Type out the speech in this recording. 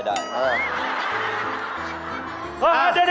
เดี๋ยวไอ้เบิร์ด